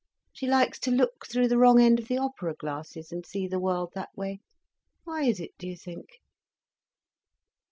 She likes to look through the wrong end of the opera glasses, and see the world that way—why is it, do you think?"